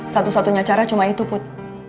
satu satunya cara cuma itu put